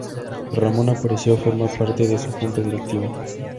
Ramona Aparicio formó parte de su Junta Directiva.